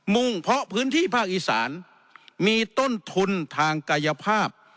่งเพราะพื้นที่ภาคอีสานมีต้นทุนทางกายภาพ